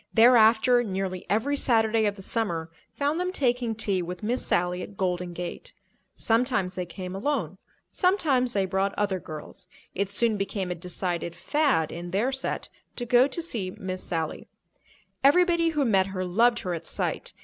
Thereafter, nearly every Saturday of the summer found them taking tea with Miss Sally at Golden Gate. Sometimes they came alone; sometimes they brought other girls. It soon became a decided "fad" in their set to go to see Miss Sally. Everybody who met her loved her at sight.